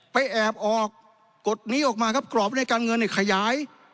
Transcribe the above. แอบออกกฎนี้ออกมาครับกรอบในการเงินเนี่ยขยาย